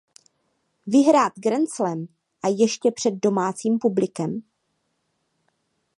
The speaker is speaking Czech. Vyhrát grandslam a ještě před domácím publikem.